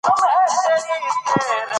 ماشوم د انا د زړه ټوټه وه.